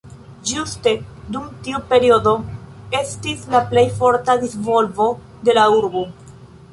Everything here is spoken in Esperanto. Ĝuste dum tiu periodo estis la plej forta disvolvo de la urbo.